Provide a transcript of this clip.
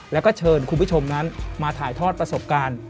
แล้วก็เชิญคุณผู้ชมนั้นมาถ่ายทอดประสบการณ์